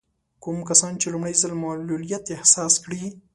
کوم کسان چې لومړی ځل معلوليت احساس کړي.